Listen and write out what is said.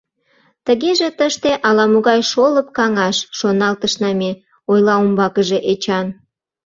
— Тыгеже тыште ала-могай шолып каҥаш, шоналтышна ме, — ойла умбакыже Эчан.